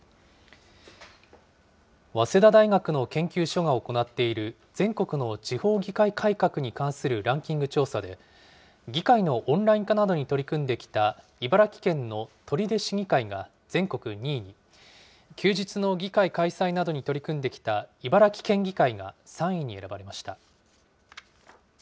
早稲田大学の研究所が行っている全国の地方議会改革に関するランキング調査で、議会のオンライン化などに取り組んできた茨城県の取手市議会が全国２位に、休日の議会開催などに取り組んできた茨城県議会が３位に選ばれました。